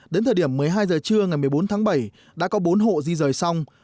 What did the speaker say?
đến thời điểm một mươi hai giờ trưa ngày một mươi bốn tháng bảy đã có bốn hộ di rời xong